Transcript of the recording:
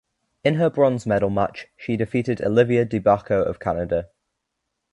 In her bronze medal match she defeated Olivia Di Bacco of Canada.